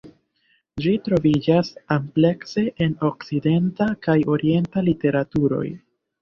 Ĝi troviĝas amplekse en okcidenta kaj orienta literaturoj.